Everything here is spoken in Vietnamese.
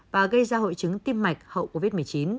và gây ra hội chứng tim mạch hậu covid một mươi chín